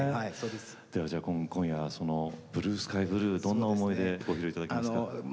ではじゃあ今夜はその「ブルースカイブルー」どんな思いでご披露いただきますか？